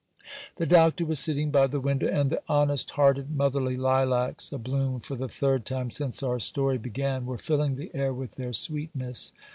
The Doctor was sitting by the window, and the honest hearted motherly lilacs, a bloom for the third time since our story began, were filling the air with their sweetness.